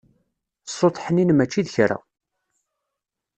Ṣṣut ḥninen mačči d kra.